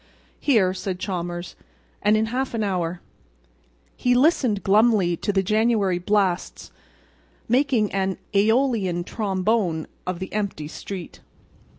"Here," said Chalmers, "and in half an hour." He listened glumly to the January blasts making an Aeolian trombone of the empty street.